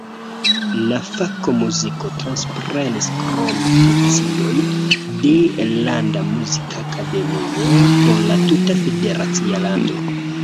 La fako muziko transprenis krome funkciojn de landa muzikakademio por la tuta federacia lando.